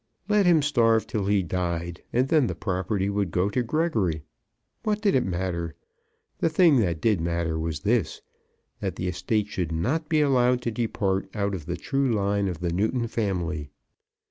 Let him starve till he died, and then the property would go to Gregory! What did it matter? The thing that did matter was this, that the estate should not be allowed to depart out of the true line of the Newton family.